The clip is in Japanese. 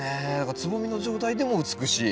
つぼみの状態でも美しい。